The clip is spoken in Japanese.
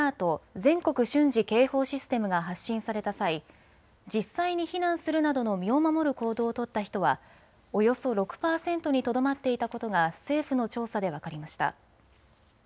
・全国瞬時警報システムが発信された際、実際に避難するなどの身を守る行動を取った人はおよそ６％にとどまっていたことが政府の調査で分かりました。